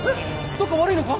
どっか悪いのか？